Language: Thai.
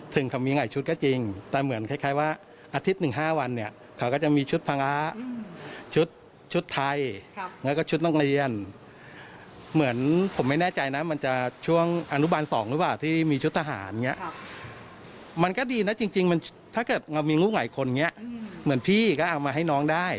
ถ้าเกิดมีหลวงใหญ่คนอย่างนี้เหมือนพี่ก็เอามาให้น้องได้